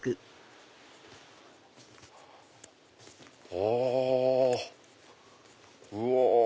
あうわ！